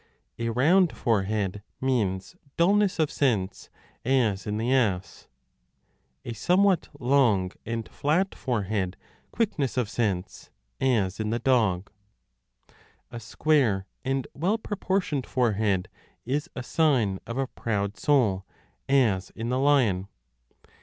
A round forehead means dullness of sense, as in the ass : a somewhat long and flat forehead, quickness of sense, 5 as in the dog. A square and well proportioned forehead 6 is a sign of a proud soul, 35 as in the lion.